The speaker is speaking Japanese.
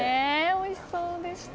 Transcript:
おいしそうでした。